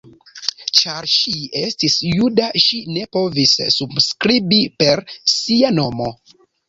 Ĉar ŝi estis juda ŝi ne povis subskribi per sia nomo.